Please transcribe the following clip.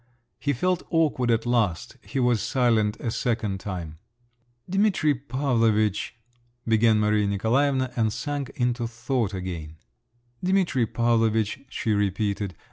He felt awkward at last; he was silent a second time. "Dimitri Pavlovitch," began Maria Nikolaevna, and sank into thought again…. "Dimitri Pavlovitch," she repeated….